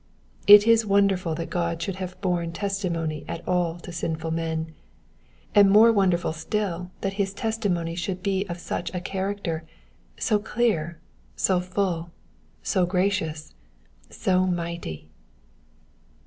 It is wonderful that God should have borne testimony at all to sinful men, and more wonderful still that his testimony should be of such a character, so clear, so full, so gracious, so mighty.